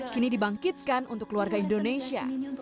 kini dibangkitkan untuk keluarga indonesia